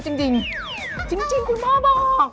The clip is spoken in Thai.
จริงคุณพ่อบอก